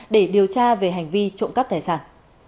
để điều tra về hành vi trộm cắp tài sản